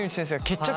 決着！